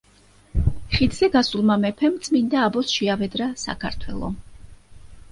ხიდზე გასულმა მეფემ წმინდა აბოს შეავედრა საქართველო.